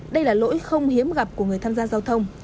đây là lỗi không hiếm gặp của người tham gia giao thông